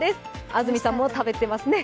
安住さんも食べてますね。